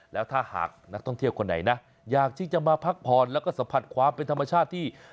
แล้วถ้าหากนักท่องเที่ยวคนไหนนะอยากที่จะมาพักผ่อนแล้วก็สัมผัสความเป็นธรรมชาติที่